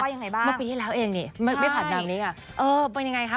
ยังไงบ้างเมื่อปีที่แล้วเองนี่ไม่ผ่านนางนี้ค่ะเออเป็นยังไงคะ